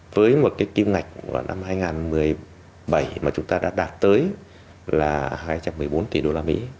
với một kiêm ngạch năm hai nghìn một mươi bảy mà chúng ta đã đạt tới là hai trăm một mươi bốn tỷ usd